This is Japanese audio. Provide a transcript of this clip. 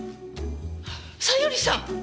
小百合さん！